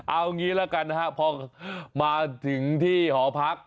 เอางี้ละกันพอมาถึงที่หอพัก